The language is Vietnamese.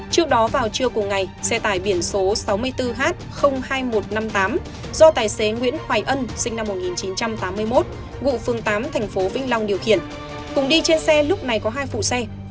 trước đó vào trưa cùng ngày xe tải biển số sáu mươi bốn h hai nghìn một trăm năm mươi tám do tài xế nguyễn hoài ân sinh năm một nghìn chín trăm tám mươi một ngụ phường tám tp vinh long điều khiển cùng đi trên xe lúc này có hai phụ xe